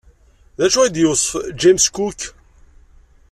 D acu ay d-yewṣef James Cook?